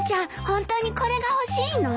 本当にこれが欲しいの？